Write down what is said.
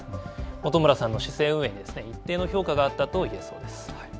本村さんの市政運営に一定の評価があったといえそうです。